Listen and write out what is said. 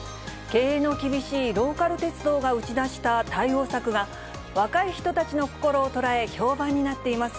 経営の厳しいローカル鉄道が打ち出した対応策が、若い人たちの心を捉え、評判になっています。